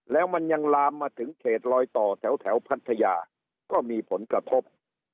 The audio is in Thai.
แล้วมันยังลามมาถึงเขตลอยต่อแถวพัทยาก็มีผลกระทบ